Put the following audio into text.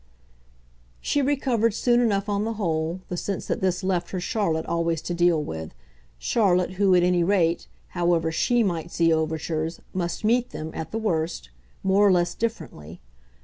She recovered soon enough on the whole, the sense that this left her Charlotte always to deal with Charlotte who, at any rate, however SHE might meet overtures, must meet them, at the worst, more or less differently.